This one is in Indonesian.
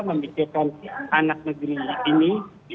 membikirkan anak negeri ini